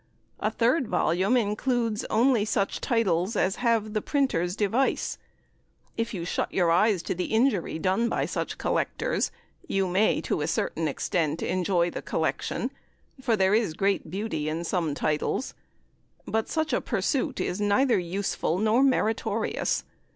A third volume includes only such titles as have the printer's device. If you shut your eyes to the injury done by such collectors, you may, to a certain extent, enjoy the collection, for there is great beauty in some titles; but such a pursuit is neither useful nor meritorious.